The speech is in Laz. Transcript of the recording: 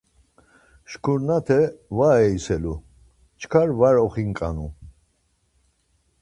Şkurnate var eiselu, çkar var oxinǩanu.